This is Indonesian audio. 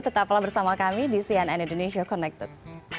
tetaplah bersama kami di cnn indonesia connected